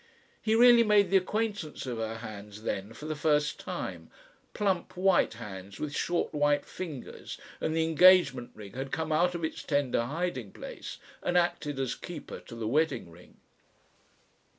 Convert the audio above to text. He really made the acquaintance of her hands then for the first time, plump white hands with short white fingers, and the engagement ring had come out of its tender hiding place and acted as keeper to the wedding ring.